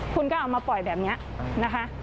คุณก็เอามาปล่อยแบบนี้นะคะ